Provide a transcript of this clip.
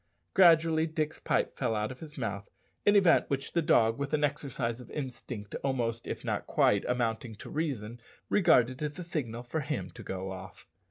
Gradually Dick's pipe fell out of his mouth, an event which the dog, with an exercise of instinct almost, if not quite, amounting to reason, regarded as a signal for him to go off.